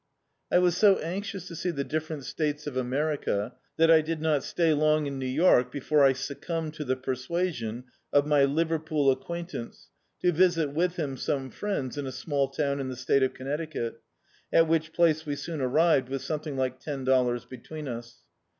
I was so anxious to see the different states of America that I did not stay long in New York be fore I succumbed to the persuasion of my Liverpool acquaintance to visit with him some friends in a small town in the state of Gnmecdcut, at whidi place we soon arrived, with something like ten dol lars between us.